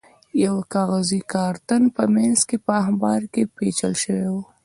د یوه کاغذي کارتن په منځ کې په اخبار کې پېچل شوی و.